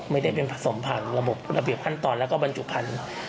ไม่ได้เป็นผสมผ่านระบบระเบียบขั้นตอนแล้วก็บรรจุพันธุ์